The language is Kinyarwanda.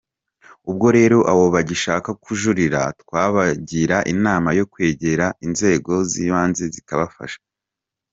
Ubwo rero abo bagishaka kujurira twabagira inama yo kwegera inzego z’ibanze zikabafasha”.